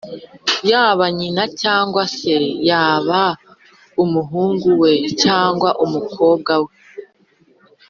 yaba nyina cyangwa se yaba umuhungu we cyangwa umukobwa